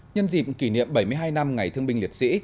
nhân dịp kỷ niệm bảy mươi hai năm ngày thương binh liệt sĩ